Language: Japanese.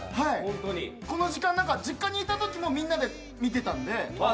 この時間、実家にいた時もみんなで見ていたので。